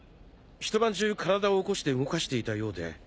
ひと晩中体を起こして動かしていたようで。